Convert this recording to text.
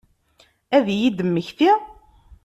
Ad iyi-d-temmekti?